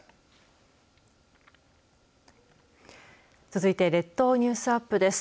続いて列島ニュースアップです。